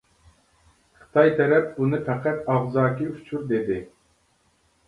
خىتاي تەرەپ بۇنى پەقەت ئاغزاكى ئۇچۇر دېدى.